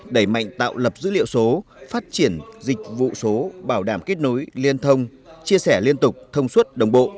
đẩy mạnh tạo lập dữ liệu số phát triển dịch vụ số bảo đảm kết nối liên thông chia sẻ liên tục thông suất đồng bộ